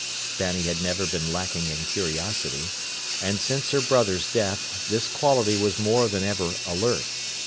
Fanny had never been lacking in curiosity, and, since her brother's death, this quality was more than ever alert.